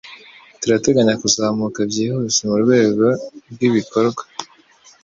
Turateganya kuzamuka byihuse murwego rwibikorwa.